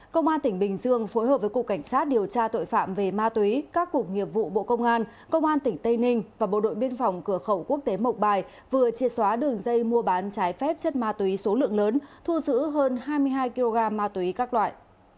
công an tỉnh bình dương phối hợp với cục cảnh sát điều tra tội phạm về ma túy các cục nghiệp vụ bộ công an công an tỉnh tây ninh và bộ đội biên phòng cửa khẩu quốc tế mộc bài vừa chia xóa đường dây mua bán trái phép chất ma túy số lượng lớn thu giữ hơn hai mươi hai kg ma túy các loại